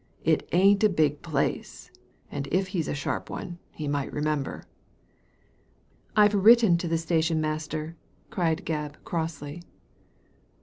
It ain't a big place, and if he's a sharp one he might remember." "I've written to the station master," cried Gebb, crossly.